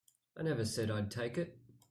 I never said I'd take it.